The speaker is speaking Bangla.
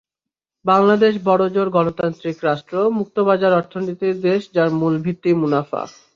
বাংলাদেশ বড়জোর গণতান্ত্রিক রাষ্ট্র, মুক্তবাজার অর্থনীতির দেশ, যার মূল ভিত্তি মুনাফা।